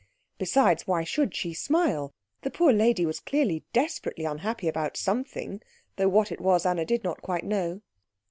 Besides, why should she smile? The poor lady was clearly desperately unhappy about something, though what it was Anna did not quite know.